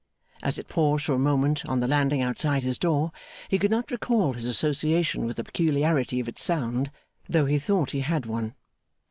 As it paused for a moment on the landing outside his door, he could not recall his association with the peculiarity of its sound, though he thought he had one.